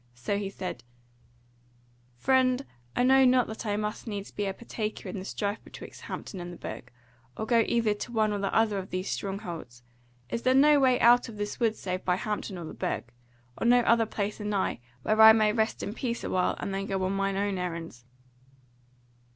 So he said: "Friend, I know not that I must needs be a partaker in the strife betwixt Hampton and the Burg, or go either to one or the other of these strongholds. Is there no other way out of this wood save by Hampton or the Burg? or no other place anigh, where I may rest in peace awhile, and then go on mine own errands?"